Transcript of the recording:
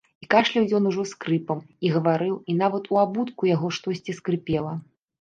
І кашляў ён ужо скрыпам, і гаварыў, і нават у абутку яго штосьці скрыпела.